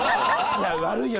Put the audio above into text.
いや悪いよ。